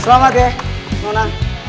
selamat yaen moa